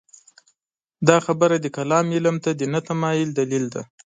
دا خبره د کلام علم ته د نه تمایل دلیل دی.